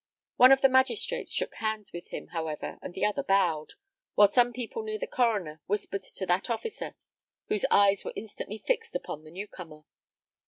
One of the magistrates shook hands with him, however, and the other bowed; while some people near the coroner whispered to that officer, whose eyes were instantly fixed upon the new comer.